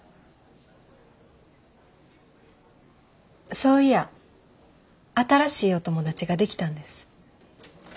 そういや新しいお友達ができたんです。